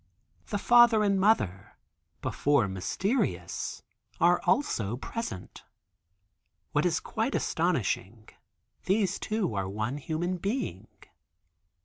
The father and mother, before mysterious, are also present. What is quite astonishing, these two are one human being.